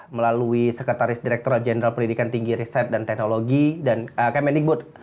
melalui sekretaris direktur jenderal pendidikan tinggi riset dan teknologi dan kemendikbud